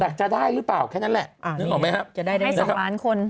แต่จะได้หรือเปล่าแค่นั้นแหละนึกออกไหมครับให้๒ล้านคน